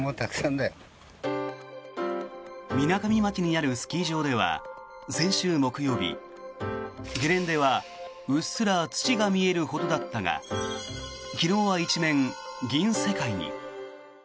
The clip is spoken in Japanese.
みなかみ町にあるスキー場では先週木曜日ゲレンデはうっすら土が見えるほどだったが昨日は一面、銀世界に。